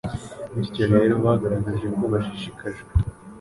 Bityo rero bagaragaje ko bashishikajwe